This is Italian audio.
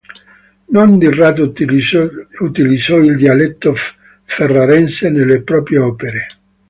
Non di rado utilizzò il dialetto ferrarese nelle proprie opere.